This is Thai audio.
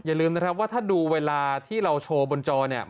อย่าลืมนะครับว่าถ้าดูเวลาที่เราโชว์บนจอเนี่ย